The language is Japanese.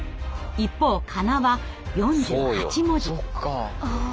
一方かなは４８文字。